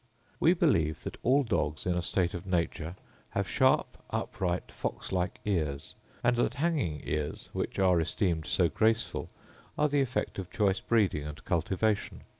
We believe that all dogs, in a state of nature, have sharp, upright fox like ears; and that hanging ears, which are esteemed so graceful, are the effect of choice breeding and cultivation.